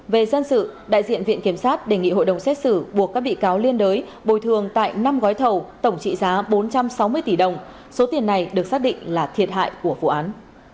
về dân sự đại diện viện kiểm sát đề nghị hội đồng xét xử buộc các bị cáo liên đới bồi thường tại năm gói thầu tổng trị giá bốn trăm sáu mươi tỷ đồng số tiền này được xác định là thiệt hại của vụ án